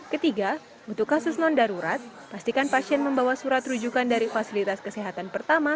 ketiga untuk kasus non darurat pastikan pasien membawa surat rujukan dari fasilitas kesehatan pertama